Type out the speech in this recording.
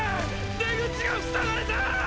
出口が塞がれたー！